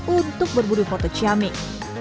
untuk berbudu foto ciamik